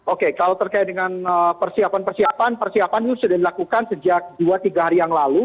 oke kalau terkait dengan persiapan persiapan itu sudah dilakukan sejak dua tiga hari yang lalu